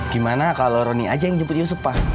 gimana kalau roni aja yang jemput yusuf pa